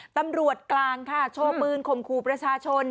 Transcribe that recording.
ตำรวจกลางช่วงปืนคมครูประชาชน